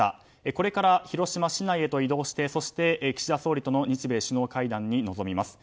これから広島市内へと移動して岸田総理との日米首脳会談に臨みます。